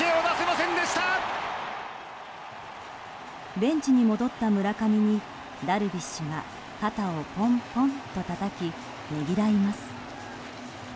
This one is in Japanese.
ベンチに戻った村上にダルビッシュが肩をポンポンとたたきねぎらいます。